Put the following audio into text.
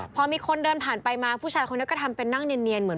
พอมีคนเดินผ่านไปมาผู้ชายคนนี้ก็ทำเป็นนั่งเนียนเหมือน